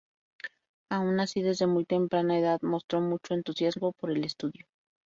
Aun así desde muy temprana edad mostró mucho entusiasmo por el estudio.